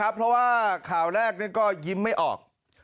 เพราะว่าข่าวแรกก็ยิ้มไม่ออก